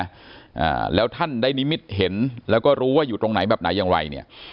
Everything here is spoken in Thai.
อ่าแล้วท่านได้นิมิตเห็นแล้วก็รู้ว่าอยู่ตรงไหนแบบไหนอย่างไรเนี่ย